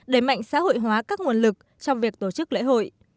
để mạnh xã hội hóa các nguồn lực trong việc tổ chức lễ hội